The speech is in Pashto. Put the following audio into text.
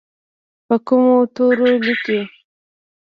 په کومو تورو لیکي؟